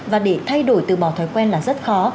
và để thay đổi từ bỏ thói quen là rất khó